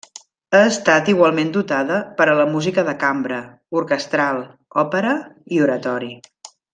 Ha estat igualment dotada per a la música de cambra, orquestral, òpera, i oratori.